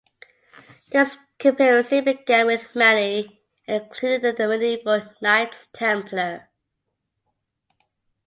This conspiracy began with Mani and included the medieval Knights Templar.